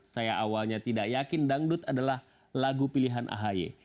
saya awalnya tidak yakin dangdut adalah lagu pilihan ahy